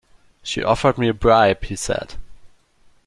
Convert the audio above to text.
She offered me a bribe, he said.